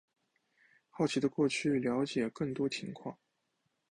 好奇的过去了解更多情况